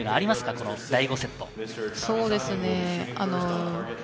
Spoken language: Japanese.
この第５セット。